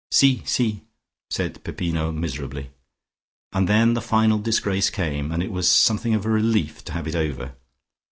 "Si, si," said Peppino miserably. And then the final disgrace came, and it was something of a relief to have it over.